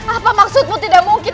apa maksudmu tidak mungkin